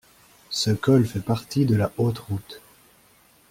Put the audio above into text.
Ce col fait partie de la Haute Route.